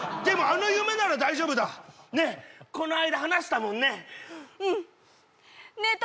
あの夢なら大丈夫だねっこの間話したもんねうんねえ